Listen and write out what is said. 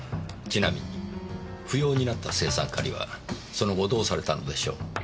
ちなみに不要になった青酸カリはその後どうされたのでしょう？